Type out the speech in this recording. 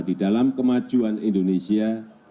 di dalam kemajuan indonesia